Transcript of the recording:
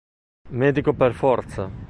Medico per forza